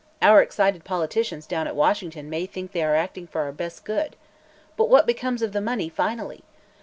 Our excited politicians down at Washington may think they are acting for our best good. But what becomes of the money, finally?